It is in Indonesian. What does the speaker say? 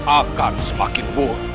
akan semakin buruk